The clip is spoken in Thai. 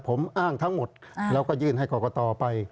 ผมอ้างทั้งหมดแล้วก็ยื่นให้กรกตไป